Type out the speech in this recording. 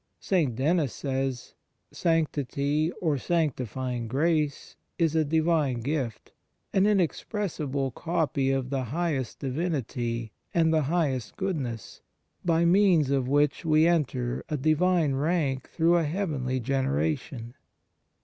St. Denis says: " Sanctity, or sanctifying grace, is a Divine gift, an inexpressible copy of the highest Divinity and the highest goodness, by means of which we enter a Divine rank through a heavenly generation."